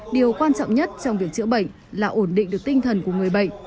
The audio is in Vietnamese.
điều quan trọng nhất trong việc chữa bệnh là ổn định được tinh thần của người bệnh